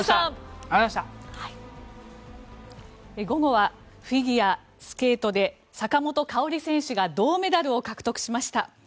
午後はフィギュアスケートで坂本花織選手が銅メダルを獲得しました。